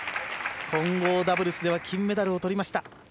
混合ダブルスでは金メダルをとりました。